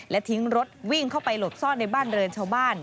และทิ้งรถวิ่งเข้าไปหลบซ่อนในบ้านเรือนชาวบ้าน